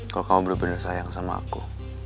kalo kamu bener bener sayang sama aku